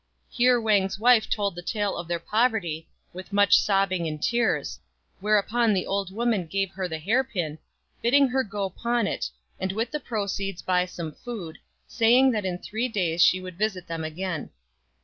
" Here Wang's wife told the tale of their poverty, with much sobbing and tears ; whereupon the old woman gave her the hair pin, bidding her go pawn it, and with the proceeds buy some food, saying that in three days she would visit them again.